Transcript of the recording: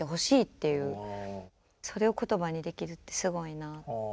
それを言葉にできるってすごいなあって。